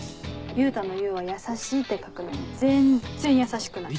優太の「優」は「優しい」って書くのに全然優しくない。